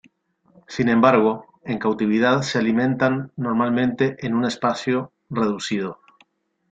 Sin embargo, en cautividad se alimentan normalmente en un espacio reducido.